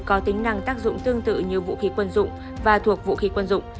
có tính năng tác dụng tương tự như vũ khí quân dụng và thuộc vũ khí quân dụng